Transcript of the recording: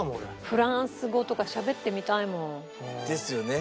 フランス語とかしゃべってみたいもん。ですよね。